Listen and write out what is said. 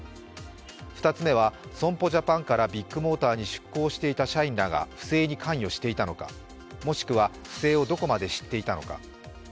２つ目は損保ジャパンからビッグモーターに出向していた社員らが不正に関与していたのかもしくは不正をどこまで知っていたのか。